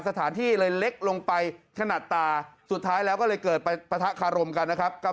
สถานที่เลยเล็กลงไปขนาดตาสุดท้ายแล้วก็เลยเกิดไปปะทะคารมกันนะครับ